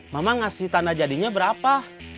mamang ngasih tanda jadinya berapa